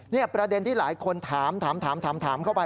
นี่ประเด็นที่หลายคนถามถามเข้าไป